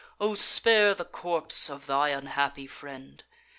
O spare the corpse of thy unhappy friend!